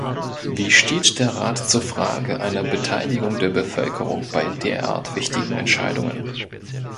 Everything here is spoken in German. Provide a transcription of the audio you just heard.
Wie steht der Rat zur Frage einer Beteiligung der Bevölkerung bei derart wichtigen Entscheidungen?